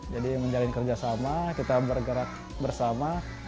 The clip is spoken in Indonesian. jadi menjalin kerjasama kita bergerak bersama